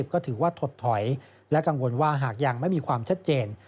ก็ถือว่าถดถอยและกังวลว่าหากยังไม่มีความชัดเจน